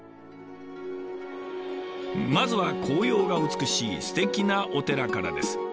まずは紅葉が美しいすてきなお寺からです。